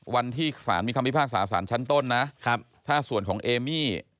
วันที่สารมีคำพิพากษาสารชั้นต้นนะครับถ้าส่วนของเอมี่